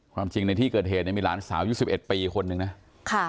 ความจริงในที่เกิดเหตุเนี่ยมีหลานสาวยุค๑๑ปีคนนึงนะค่ะ